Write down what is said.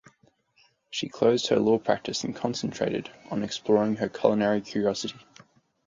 She closed her law practice and concentrated on exploring her culinary curiosity.